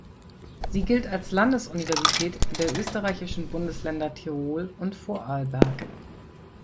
Sie gilt als Landesuniversität der österreichischen Bundesländer Tirol und Vorarlberg.